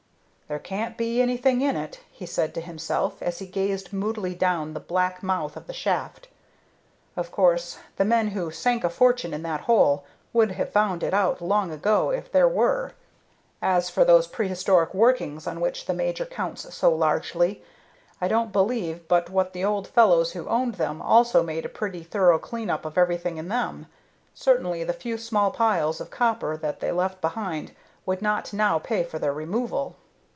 "There can't be anything in it," he said to himself, as he gazed moodily down the black mouth of the shaft. "Of course, the men who sank a fortune in that hole would have found it out long ago if there were. As for those prehistoric workings on which the major counts so largely, I don't believe but what the old fellows who opened them also made a pretty thorough clean up of everything in them. Certainly the few small piles of copper that they left behind would not now pay for their removal.